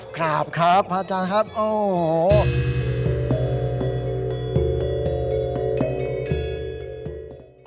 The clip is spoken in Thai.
ครับครับพระอาจารย์ครับโอ้โห